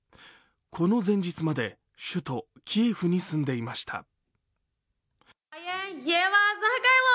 この前日まで首都キエフに住んでいました。